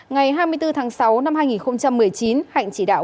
ngày hai mươi bốn tháng sáu năm hai nghìn một mươi chín hạnh chỉ đạo